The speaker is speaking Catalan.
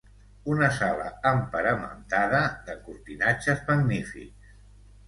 Una sala emparamentada de cortinatges magnífics.